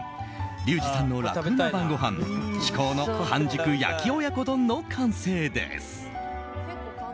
リュウジさんの楽ウマ晩ごはん至高の半熟焼き親子丼の完成です。